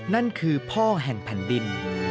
นั่นคือพ่อแห่งแผ่นดิน